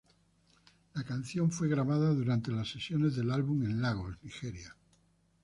La canción fue grabada durante las sesiones del álbum en Lagos, Nigeria.